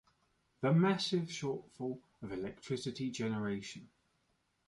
The massive shortfall of electricity generation.